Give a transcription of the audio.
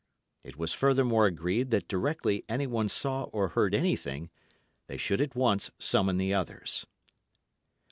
It was furthermore agreed that directly anyone saw or heard anything, they should at once summon the others.